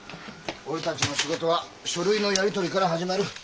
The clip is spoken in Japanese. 俺たちの仕事は書類のやり取りから始まる。